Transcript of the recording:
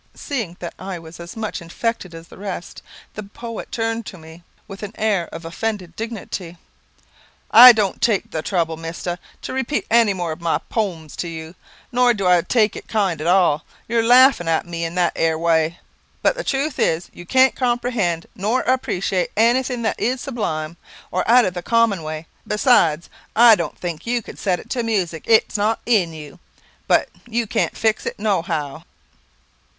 Seeing that I was as much infected as the rest, the poet turned to me, with an air of offended dignity, "I don't take the trouble, mister, to repeat any more of my pomes to you; nor do I take it kind at all, your laughing at me in that ere way. But the truth is, you can't comprehend nor appreciate anything that is sublime, or out of the common way. Besides, I don't think you could set it to music; it is not in you, and you can't fix it no how."